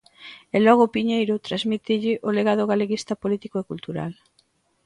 E logo Piñeiro transmítelle o legado galeguista político e cultural.